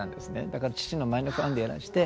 だから父の舞のファンでいらして。